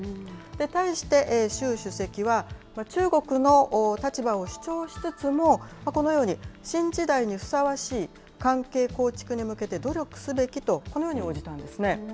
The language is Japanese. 対して、習主席は、中国の立場を主張しつつも、このように新時代にふさわしい関係構築に向けて努力すべきと、このように応じたんですね。